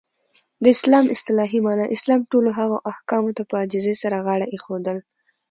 د اسلام اصطلاحی معنا : اسلام ټولو هغه احکامو ته په عاجزی سره غاړه ایښودل.